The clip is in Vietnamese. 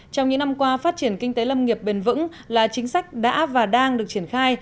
trong những năm qua phát triển kinh tế lâm nghiệp bền vững là chính sách đã và đang được triển khai